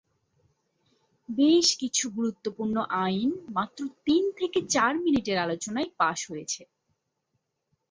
বেশ কিছু গুরুত্বপূর্ণ আইন মাত্র তিন থেকে চার মিনিটের আলোচনায় পাস হয়েছে।